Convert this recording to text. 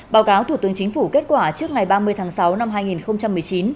báo cáo thủ tướng chính phủ kết quả trước ngày ba mươi tháng sáu năm hai nghìn một mươi chín